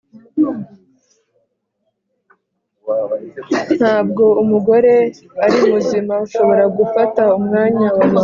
ntabwo umugore ari muzima ushobora gufata umwanya wa mama